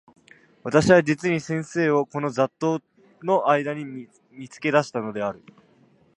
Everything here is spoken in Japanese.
私は実に先生をこの雑沓（ざっとう）の間（あいだ）に見付け出したのである。